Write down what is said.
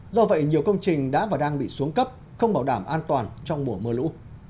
do vậy nhiều công trình đã và đang bị xuống cấp không bảo đảm an toàn trong mùa mưa lũ